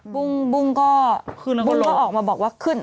บุ้งก็คนก็ออกมาบอกว่าขึ้น